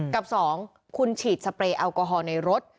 กับ๒คุณฉีดสเปรย์แอลกอฮอล์ในรถ